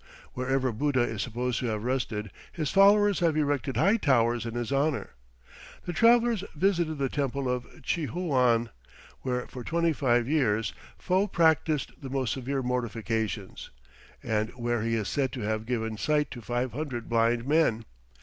Wherever Buddha is supposed to have rested, his followers have erected high towers in his honour. The travellers visited the temple of Tchihouan, where for twenty five years Fo practised the most severe mortifications, and where he is said to have given sight to five hundred blind men.